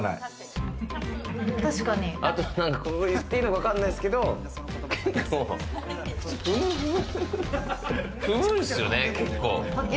言っていいのかわかんないですけど、結構、踏むんですよね、結構。